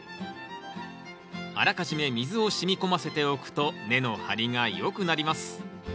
あらかじめ水を染み込ませておくと根の張りがよくなります